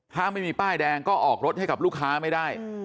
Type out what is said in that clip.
ถ้าไม่มีป้ายแดงก็ออกรถให้กับลูกค้าไม่ได้